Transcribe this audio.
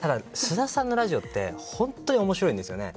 菅田さんのラジオって本当に面白いです。